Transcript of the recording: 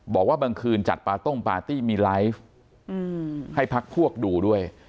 บอกว่าบางคืนจัดปาร์ต้งปาร์ตี้มีไลฟ์ให้พักพวกดูด้วย